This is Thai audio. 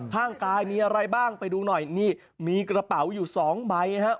ข้างกายมีอะไรบ้างไปดูหน่อยนี่มีกระเป๋าอยู่สองใบนะครับ